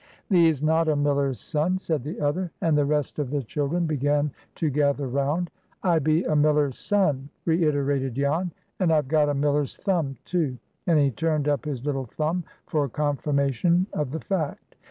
"Thee's not a miller's son," said the other; and the rest of the children began to gather round. "I be a miller's son," reiterated Jan. "And I've got a miller's thumb, too;" and he turned up his little thumb for confirmation of the fact.